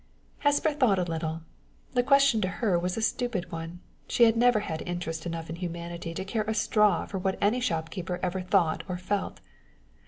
Hesper thought a little. The question to her was a stupid one. She had never had interest enough in humanity to care a straw what any shopkeeper ever thought or felt.